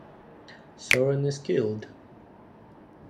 Sorin is killed.